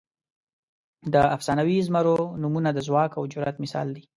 د افسانوي زمرو نومونه د ځواک او جرئت مثال دي.